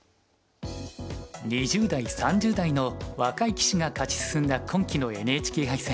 ２０代３０代の若い棋士が勝ち進んだ今期のＮＨＫ杯戦。